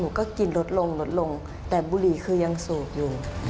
หนูก็กินลดลงแต่บุหรี่คือยังสูบอยู่